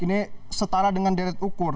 ini setara dengan deret ukur